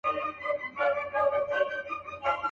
زما غیرت د بل پر لوري، ستا کتل نه سي منلای.